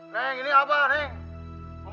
neng ini abah neng